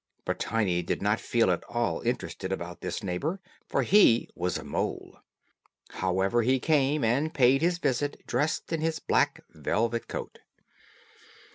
But Tiny did not feel at all interested about this neighbor, for he was a mole. However, he came and paid his visit dressed in his black velvet coat.